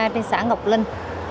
trên xã ngọc linh